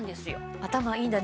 頭いいんだね